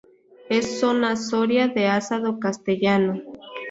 Es zona Soria de asado castellano.